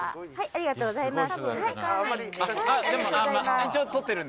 ありがとうございます。